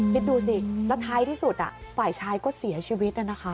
คิดดูสิแล้วท้ายที่สุดฝ่ายชายก็เสียชีวิตนะคะ